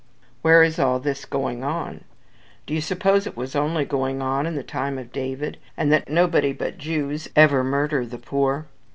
where is all this going on? Do you suppose it was only going on in the time of David, and that nobody but Jews ever murder the poor?